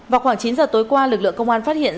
vào khoảng chín giờ tối qua lực lượng công an phát hiện